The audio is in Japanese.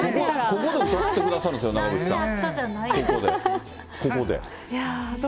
ここで歌ってくださるんですよ、長渕さん。